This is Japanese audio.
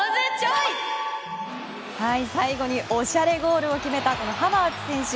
最後におしゃれゴールを決めたハバーツ選手。